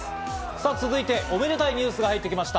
さあ続いて、おめでたいニュースが入ってきました。